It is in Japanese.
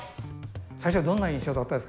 最初はどんな印象だったんですか？